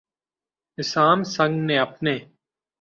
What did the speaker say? اسام سنگ نے اپنے